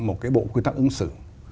một cái bộ quy tắc ứng xử